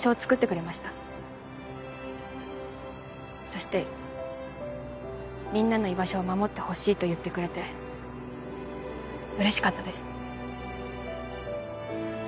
そしてみんなの居場所を守ってほしいと言ってくれて嬉しかったです。